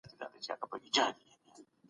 په داسي حالاتو کي صبر کول د عزت ساتنه ده.